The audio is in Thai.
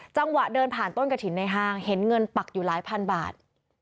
จังหวะเดินผ่านต้นกระถิ่นในห้างเห็นเงินปักอยู่หลายพันบาท